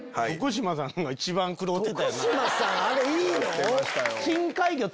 徳島さんあれいいの？